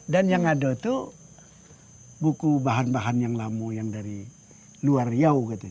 dan yang ada itu buku bahan bahan yang lama yang dari luar riau